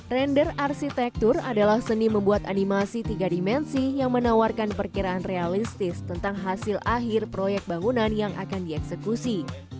render arsitektur adalah seni membuat animasi tiga dimensi yang menawarkan perkiraan realistis tentang hasil akhir proyek bangunan yang akan dieksekusi